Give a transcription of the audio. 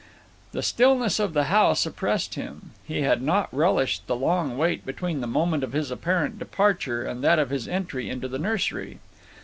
The stillness of the house oppressed him. He had not relished the long wait between the moment of his apparent departure and that of his entry into the nursery.